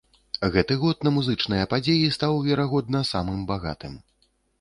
Гэты год на музычныя падзеі стаў, верагодна, самым багатым.